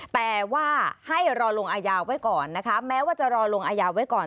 แต่ว่าให้รอลงอาญาไว้ก่อนนะคะแม้ว่าจะรอลงอายาไว้ก่อน